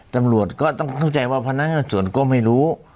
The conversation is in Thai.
ตำรวจก็ต้องเข้าใจว่าพนักงานส่วนก็ไม่รู้